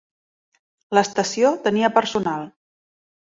L'estació tenia personal.